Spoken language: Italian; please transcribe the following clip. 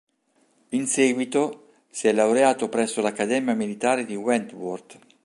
In seguito, si è laureato presso l'Accademia Militare di Wentworth.